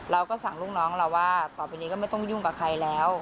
เราก็สั่งลูกน้องเราว่าต่อไปนี้ก็ไม่ต้องยุ่งกับใครแล้ว